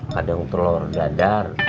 kadang telur dadar